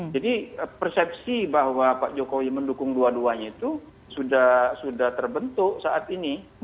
jadi persepsi bahwa pak jokowi mendukung dua duanya itu sudah terbentuk saat ini